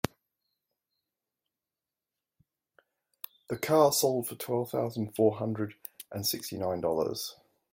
The car sold for twelve thousand four hundred and sixty nine dollars.